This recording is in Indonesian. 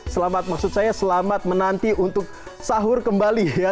selamat maksud saya selamat menanti untuk sahur kembali ya